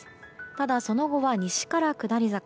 ただ、その後は西から下り坂。